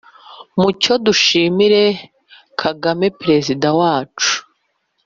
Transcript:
mucyo dushimire kagame perezida wacu